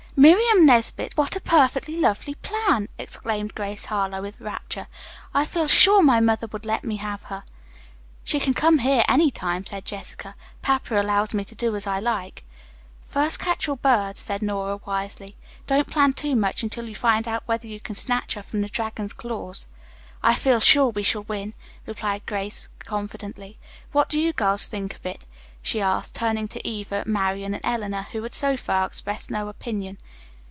"Miriam Nesbit, what a perfectly lovely plan!" exclaimed Grace Harlowe with rapture. "I feel sure mother would let me have her." "She can come here any time," said Jessica. "Papa allows me to do as I like." "'First catch your bird,'" said Nora wisely. "Don't plan too much, until you find out whether you can snatch her from the dragon's claws." "I feel sure we shall win," replied Grace confidently. "What do you girls think of it?" she asked, turning to Eva, Marian and Eleanor, who had so far expressed no opinion.